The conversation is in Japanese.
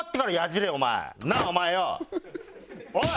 おい！